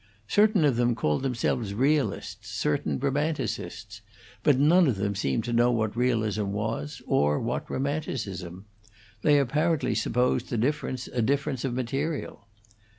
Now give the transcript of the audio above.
Certain of them called themselves realists, certain romanticists; but none of them seemed to know what realism was, or what romanticism; they apparently supposed the difference a difference of material.